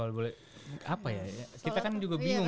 kalau boleh apa ya kita kan juga bingung